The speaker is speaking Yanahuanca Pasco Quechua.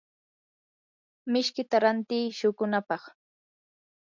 mishkita rantiiy shuqunapaq.